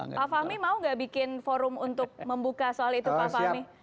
pak fahmi mau gak bikin forum untuk membuka soal itu pak fahmi